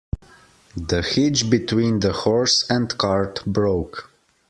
The hitch between the horse and cart broke.